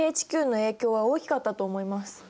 ＧＨＱの影響は大きかったと思います。